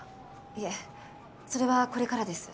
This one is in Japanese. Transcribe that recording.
いえそれはこれからです。